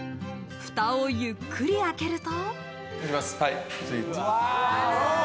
フタをゆっくり開けると。